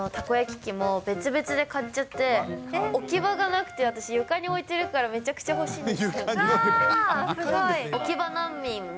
器も別々で買っちゃって、置き場がなくて、私、床に置いてるからめちゃくちゃ欲しいです。